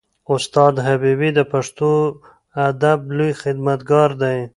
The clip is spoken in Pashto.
استاد حبیبي د پښتو ادب لوی خدمتګار دی.